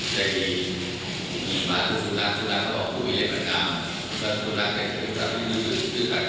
แต่ใจมันมีอีกอย่างมันส่องปัดปราวไว้ได้